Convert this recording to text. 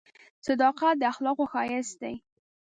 • صداقت د اخلاقو ښایست دی.